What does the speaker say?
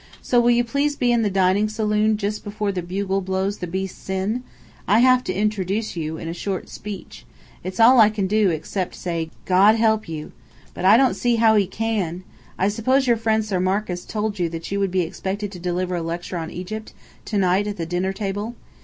"So will you please be in the dining saloon just before the bugle blows the beasts in? I have to introduce you, in a short speech. It's all I can do, except say, God help you! But I don't see how He can. I suppose your friend Sir Marcus told you that you would be expected to deliver a lecture on Egypt, to night at the dinner table?